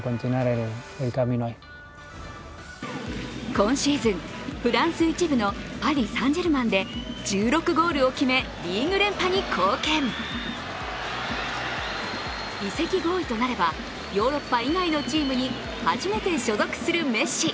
今シーズン、フランス１部のパリ・サン＝ジェルマンで１６ゴールを決め、リーグ連覇に貢献移籍合意となればヨーロッパ以外のチームに初めて所属するメッシ。